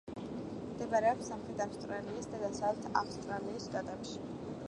მდებარეობს სამხრეთი ავსტრალიის და დასავლეთი ავსტრალიის შტატებში.